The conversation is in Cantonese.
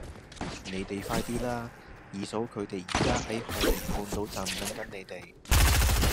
你哋快啲啦!二嫂佢哋而家喺海怡半島站等緊你哋